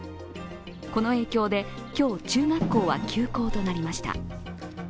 この影響で、今日中学校は休校となりました。